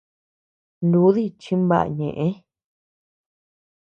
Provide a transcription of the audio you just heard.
Nudii chinbaʼa ñeʼë.